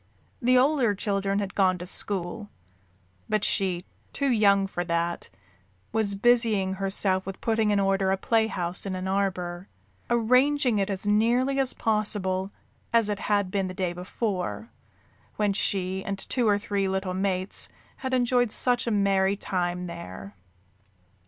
The older children had gone to school, but she, too young for that, was busying herself with putting in order a playhouse in an arbor arranging it as nearly as possible as it had been the day before, when she and two or three little mates had enjoyed such a merry time there.